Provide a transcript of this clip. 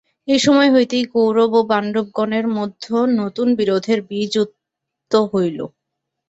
এই সময় হইতেই কৌরব ও পাণ্ডবগণের মধ্য নূতন বিরোধের বীজ উপ্ত হইল।